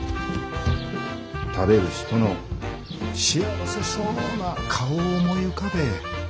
食べる人の幸せそうな顔を思い浮かべえ。